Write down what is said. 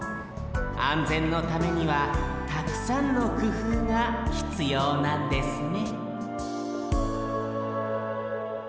あんぜんのためにはたくさんのくふうがひつようなんですね